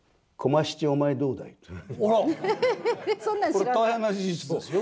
えっ！大変な事実ですよ